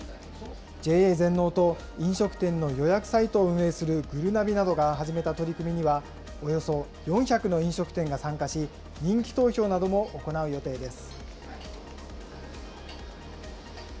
ＪＡ全農と飲食店の予約サイトを運営するぐるなびなどが始めた取り組みなどには、およそ４００の飲食店が参加し、人気投票なども行う予定です。